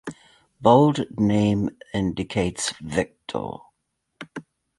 Bold name indicates victor.